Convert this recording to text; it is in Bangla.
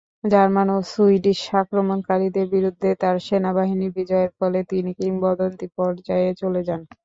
জার্মান ও সুইডিশ আক্রমণকারীদের বিরুদ্ধে তার সেনাবাহিনীর বিজয়ের ফলে তিনি কিংবদন্তি পর্যায়ে চলে যান।